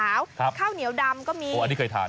อันนี้เคยทาน